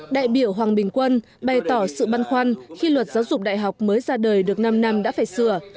đại biểu hoàng bình quân bày tỏ sự băn khoăn khi luật giáo dục đại học mới ra đời được năm năm đã phải sửa